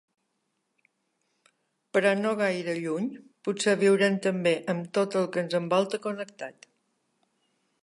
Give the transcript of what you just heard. Però no gaire lluny, potser viurem també amb tot el que ens envolta connectat.